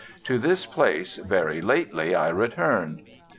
To this place very lately I returned.